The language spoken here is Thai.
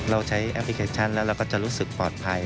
เราใช้แอปพลิเคชันแล้วเราก็จะรู้สึกปลอดภัย